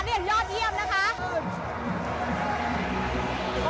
เป็นบรรยากาศที่ชื่นมืดมากเลยค่ะ